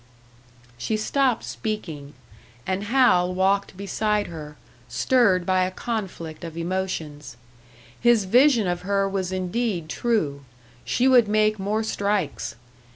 She stopped speaking; and Hal walked beside her, stirred by a conflict of emotions. His vision of her was indeed true; she would make more strikes!